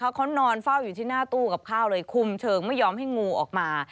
เขานอนเฝ้าอยู่ที่หน้าตู้กับข้าวเลยคุมเชิงไม่ยอมให้งูออกมา